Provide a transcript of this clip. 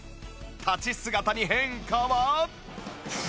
立ち姿に変化は？